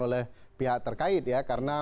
oleh pihak terkait ya karena